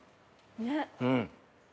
ねっ。